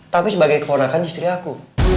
tapi sebagai keponakan istri aku